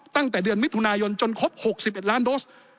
ตั้งแต่เดือนมิถุนายนจนครบ๖๑ล้านโดส